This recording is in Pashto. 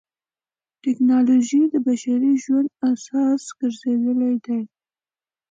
ټکنالوجي د بشري ژوند اساس ګرځېدلې ده.